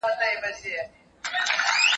که تلویزیون وي نو لیدل نه پاتې کیږي.